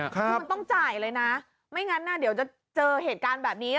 คือมันต้องจ่ายเลยนะไม่งั้นเดี๋ยวจะเจอเหตุการณ์แบบนี้